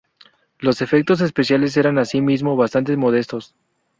Los efectos especiales eran, así mismo, bastante modestos.